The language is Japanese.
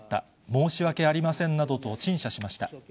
申し訳ありませんなどと陳謝しました。